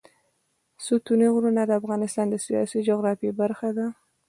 ستوني غرونه د افغانستان د سیاسي جغرافیه برخه ده.